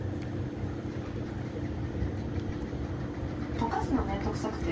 溶かすのめんどくさくて。